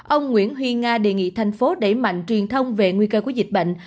ông nguyễn huy nga đề nghị thành phố đẩy mạnh truyền thông về nguy cơ của dịch bệnh